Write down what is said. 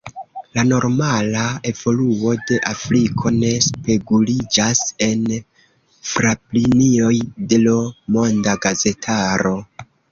La normala evoluo de Afriko ne speguliĝas en fraplinioj de l’ monda gazetaro.